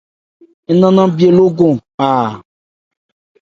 Ń nɛn nɛn bhye lókɔn a.